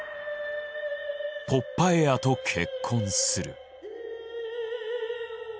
ポッパエアと結婚する。